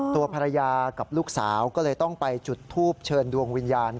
ตัวภรรยากับลูกสาวก็เลยต้องไปจุดทูปเชิญดวงวิญญาณ